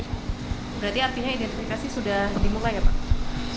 berarti artinya identifikasi sudah dimulai ya pak